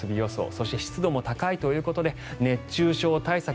そして、湿度も高いということで熱中症対策